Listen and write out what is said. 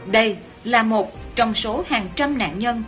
đây là một trong số hàng trăm nạn nhân